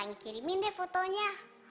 saya kirimin deh fotonya